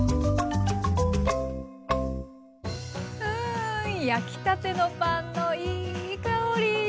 うわ焼きたてのパンのいい香り。